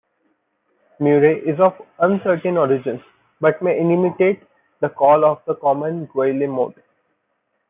"Murre" is of uncertain origins, but may imitate the call of the common guillemot.